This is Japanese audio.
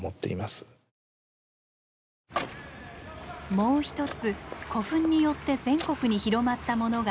もう一つ古墳によって全国に広まったものがあります。